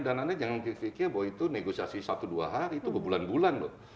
anda jangan berpikir bahwa itu negosiasi satu dua hari itu berbulan bulan loh